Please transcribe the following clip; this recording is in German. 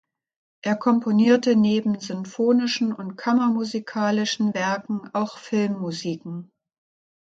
Er komponierte neben sinfonischen und kammermusikalischen Werken auch Filmmusiken.